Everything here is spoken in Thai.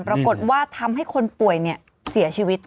ปรากฏว่าทำให้คนป่วยเสียชีวิต